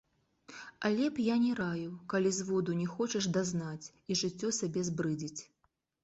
Але я б не раіў, калі зводу не хочаш дазнаць і жыццё сабе збрыдзіць.